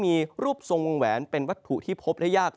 มีรูปทรงวงแหวนเป็นวัตถุที่พบได้ยาก